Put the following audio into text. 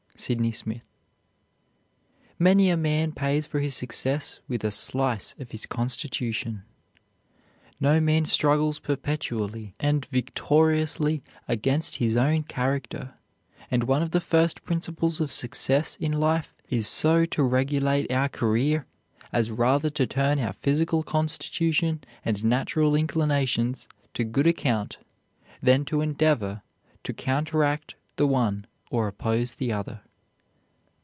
SYDNEY SMITH. "Many a man pays for his success with a slice of his constitution." No man struggles perpetually and victoriously against his own character; and one of the first principles of success in life is so to regulate our career as rather to turn our physical constitution and natural inclinations to good account than to endeavor to counteract the one or oppose the other.